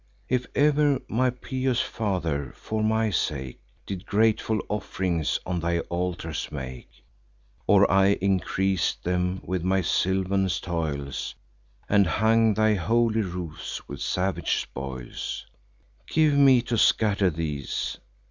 If e'er my pious father, for my sake, Did grateful off'rings on thy altars make, Or I increas'd them with my sylvan toils, And hung thy holy roofs with savage spoils, Give me to scatter these."